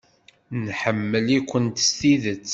Nḥemmel-ikent s tidet.